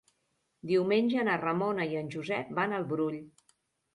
Diumenge na Ramona i en Josep van al Brull.